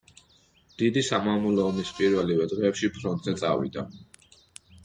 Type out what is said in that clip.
დიდი სამამულო ომის პირველივე დღეებში ფრონტზე წავიდა.